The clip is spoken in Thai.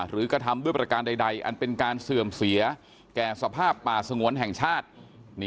กระทำด้วยประการใดอันเป็นการเสื่อมเสียแก่สภาพป่าสงวนแห่งชาติ